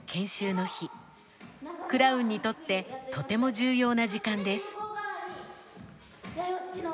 クラウンにとってとても重要な時間です。